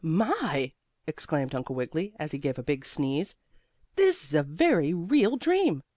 "My!" exclaimed Uncle Wiggily, as he gave a big sneeze. "This is a very real dream.